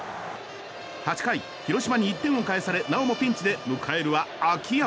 ８回、広島に１点を返されなおもピンチで迎えるは秋山。